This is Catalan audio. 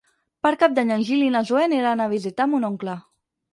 Per Cap d'Any en Gil i na Zoè aniran a visitar mon oncle.